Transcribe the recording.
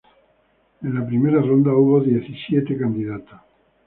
En la primera ronda hubo diecisiete candidatos.